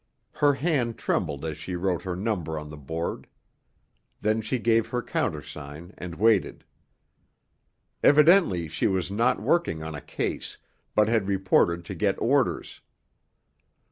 Her hand trembled as she wrote her number on the board. Then she gave her countersign and waited. Evidently she was not working on a case, but had reported to get orders.